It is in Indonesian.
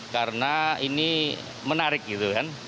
karena ini menarik gitu kan